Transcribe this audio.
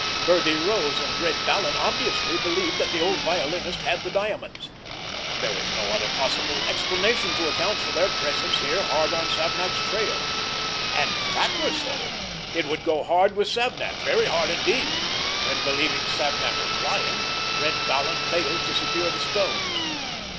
Birdie Rose and Red Vallon obviously believed that the old violinist had the diamonds—there was no other possible explanation to account for their presence here hard on Savnak's trail. And if that were so, it would go hard with Savnak, very hard, indeed, when, believing Savnak was lying, Red Vallon failed to secure the stones.